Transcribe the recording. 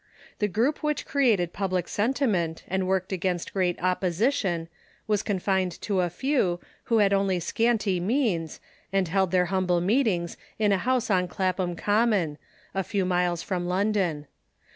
The group which created public Emancipation sentiment, and worked against great opposition, was confined to a few, who had only scanty means, and held their humble meetings in a house on Clapham Common, a few miles from London.